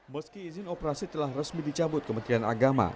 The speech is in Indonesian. meski izin operasi telah resmi dicabut kementerian agama